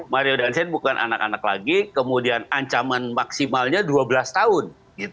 mario dan sen bukan anak anak lagi kemudian ancaman maksimalnya dua belas tahun